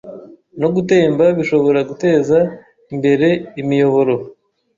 no gutemba bishobora guteza imbere imiyoboro